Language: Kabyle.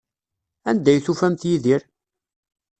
Anda ay tufamt Yidir?